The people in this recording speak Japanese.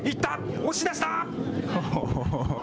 押し出した。